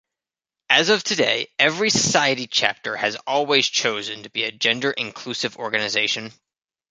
As of today, every Society chapter has always chosen to be a gender-inclusive organization.